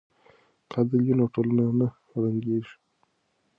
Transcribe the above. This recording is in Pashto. که عدل وي نو ټولنه نه ړنګیږي.